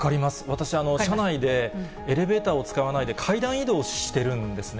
私、社内でエレベーターを使わないで、階段移動をしてるんですね。